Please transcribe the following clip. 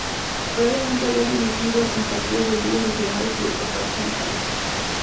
Previamente había dirigido en partidos de ligas regionales y de Copa Chatham.